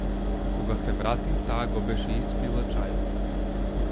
Кога се врати таа го беше испила чајот.